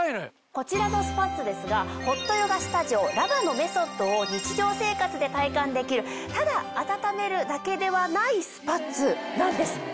こちらのスパッツですがホットヨガスタジオＬＡＶＡのメソッドを日常生活で体感できるただあたためるだけではないスパッツなんです。